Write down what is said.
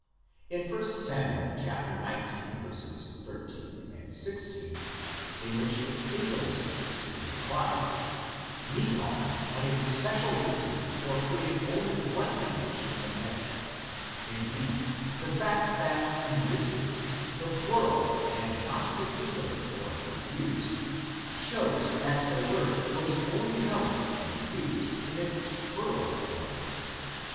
In 1 Sam. xix. 13, 16, in which a singular sense is implied, Michal had a special reason for putting only one image in the bed ; indeed, the fact that in this case the plural and not the singular form is used, shows that the word was only known and used in its plural form.